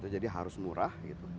jadi harus murah